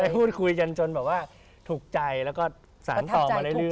พูดคุยกันจนแบบว่าถูกใจแล้วก็สารต่อมาเรื่อย